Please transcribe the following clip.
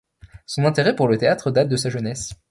Son intérêt pour le théâtre date de sa jeunesse.